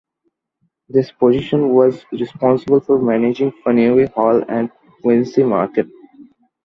This position was responsible for managing Faneuil Hall and Quincy Market.